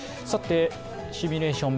シミュレーション